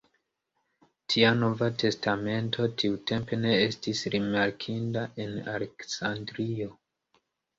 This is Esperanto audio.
Tia Nova Testamento tiutempe ne estis rimarkinda en Aleksandrio.